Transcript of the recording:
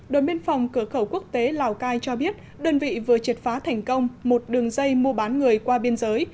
đội biên phòng cửa khẩu quốc tế lào cai cho biết đơn vị vừa triệt phá thành công một đường dây mua bán người qua biên giới